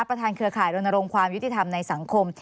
ประธานเครือข่ายโรนโลงความยุติธรรมในสังคม